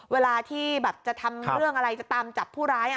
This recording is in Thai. เวลาที่แบบจะทำเรื่องอะไรจะตามจับผู้ร้าย